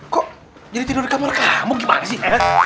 kok jadi tidur di kamar kamu gimana sih